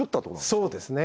そうですね。